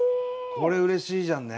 これうれしいじゃんね！